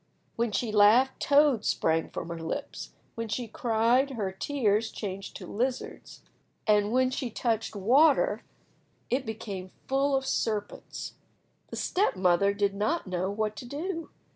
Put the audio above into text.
When she laughed toads sprang from her lips, when she cried her tears changed to lizards, and when she touched water it became full of serpents. The step mother did not know what to do.